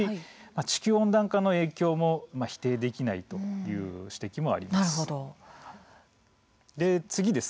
地球温暖化の影響も否定できないという指摘もあります。